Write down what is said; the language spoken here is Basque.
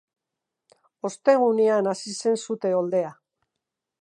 Ostegunean hasi zen sute oldea.